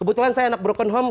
kebetulan saya anak broken home